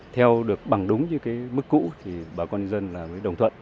theo được bằng đúng với mức cũ thì bà con dân dân mới đồng thuận